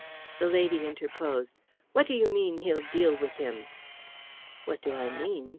The lady interposed. "What do you mean he'll deal with him?" "What do I mean?